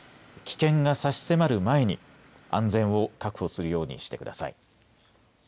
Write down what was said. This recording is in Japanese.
危険が差し迫る前に安全を確保するようにしてください。